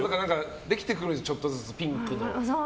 できてくるちょっとずつピンクの。